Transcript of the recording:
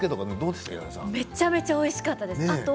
めちゃくちゃおいしかったです。